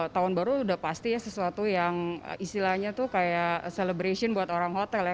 tahun baru udah pasti ya sesuatu yang istilahnya tuh kayak celebration buat orang hotel ya